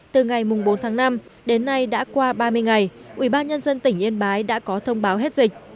từ ngày bốn tháng năm đến nay đã qua ba mươi ngày ubnd tỉnh yên bái đã có thông báo hết dịch